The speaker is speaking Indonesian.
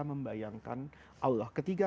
membayangkan allah ketiga